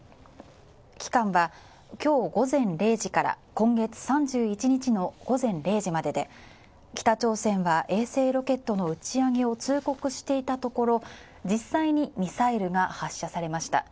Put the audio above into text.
期間は今日午前０時から今月３１日の午前０時までで北朝鮮は衛星ロケットの打ち上げを通告していたところ、実際にミサイルが発射されました。